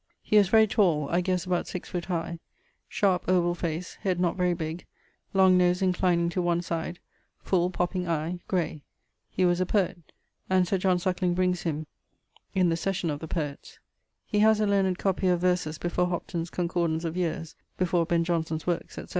He was very tall, I guesse about 6 foot high; sharp ovall face; head not very big; long nose inclining to one side; full popping eie (gray). He was a poet[LXXXIV.], and Sir John Suckling brings him in the 'Session of the Poets.' [LXXXIV.] He haz a learned copie of verses before Hopton's 'Concordance of Yeares'; before Ben Jonson's Workes; &c.